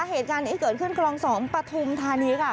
เหตุการณ์นี้เกิดขึ้นคลอง๒ปฐุมธานีค่ะ